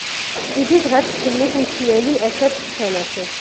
იგი ჟღერს ფილმის „მთიელი“ ერთ-ერთ სცენაში.